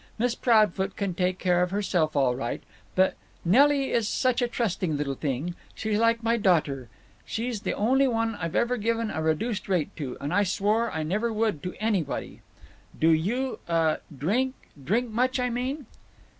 Miss Proudfoot can take care of herself, all right, but Nelly is such a trusting little thing—She's like my daughter. She's the only one I've ever given a reduced rate to—and I swore I never would to anybody!… Do you—uh—drink—drink much, I mean?"